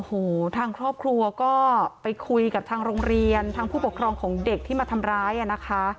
โอ้โหทางครอบครัวก็ไปคุยกับทางโรงเรียนทางผู้ปกครองของเด็กที่มาทำร้ายอ่ะนะคะ